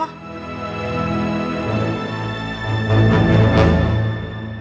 mbak im ini udah sma